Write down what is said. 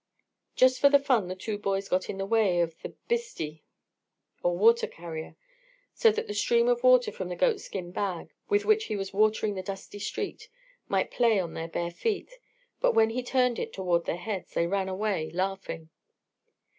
Just for fun the two boys got in the way of the "bhisti" or water carrier, so that the stream of water from the goatskin bag, with which he was watering the dusty street, might play on their bare feet; but when he turned it toward their heads, they ran away laughing.